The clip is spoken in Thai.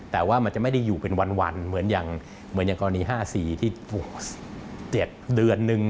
แต่ว่ามันจะไม่ได้อยู่เป็นวันเหมือนอย่างเหมือนอย่างกรณี๕๔ที่เดือนนึง